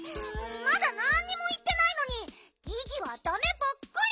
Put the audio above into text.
まだなんにもいってないのにギギはダメばっかり！